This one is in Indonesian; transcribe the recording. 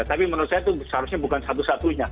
tapi menurut saya itu seharusnya bukan satu satunya